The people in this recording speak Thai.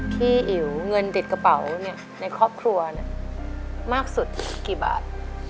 อิ๋วเงินติดกระเป๋าในครอบครัวมากสุดกี่บาท